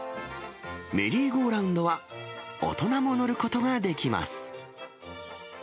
メリーゴーラウンドは大人も乗ることができます。